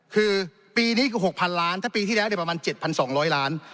คือปีนี้คือหกพันล้านถ้าปีที่แล้วเนี้ยประมาณเจ็ดพันสองร้อยล้าน